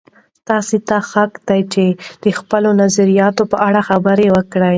تاسې ته حق دی چې د خپلو نظریاتو په اړه خبرې وکړئ.